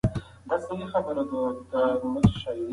هغه د کابل په بالاحصار کي بند پاتې شو.